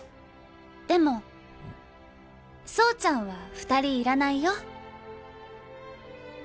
でも走ちゃんは２人いらないよ。